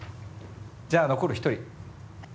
じゃあ残る１人。